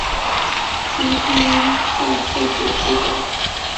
依刊载顺序记载。